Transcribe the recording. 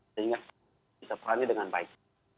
sehingga bisa perani dengan baik